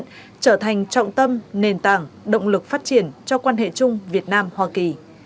trở thành trọng tâm nền tảng động lực phát triển cho quan hệ chung việt nam hoa kỳ